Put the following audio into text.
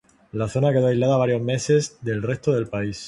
La zona quedó aislada varios meses del resto del país.